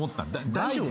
大丈夫？